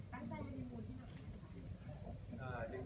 ตั้งใจอยู่ในมูลเต็มค่ะ